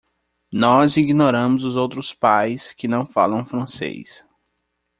Nós ignoramos os outros pais que não falam francês.